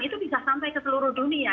itu bisa sampai ke seluruh dunia